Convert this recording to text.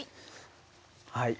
はい。